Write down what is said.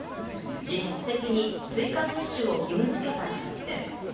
実質的に追加接種を義務づけた形です。